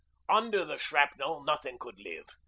Under the shrapnel nothing could live.